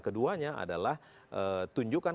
keduanya adalah tunjukkan